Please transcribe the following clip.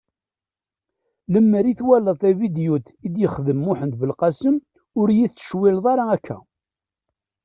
Limer i twalaḍ tavidyut i d-yexdem Muḥend Belqasem ur iyi-tettcewwileḍ ara akka.